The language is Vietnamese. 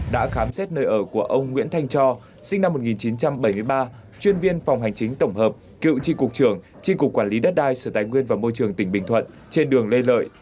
đã khám xét nơi ở của ông nguyễn thanh cho sinh năm một nghìn chín trăm bảy mươi ba chuyên viên phòng hành chính tổng hợp cựu tri cục trưởng tri cục quản lý đất đai sở tài nguyên và môi trường tỉnh bình thuận trên đường lê lợi